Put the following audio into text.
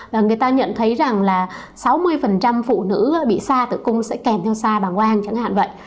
và người ta nhận thấy rằng là sáu mươi phụ nữ bị sa tử cung sẽ kèm theo sa bằng quang chẳng hạn vậy